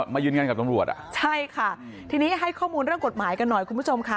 มายืนยันกับตำรวจอ่ะใช่ค่ะทีนี้ให้ข้อมูลเรื่องกฎหมายกันหน่อยคุณผู้ชมค่ะ